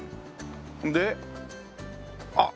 であっ！